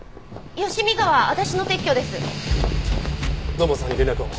土門さんに連絡を。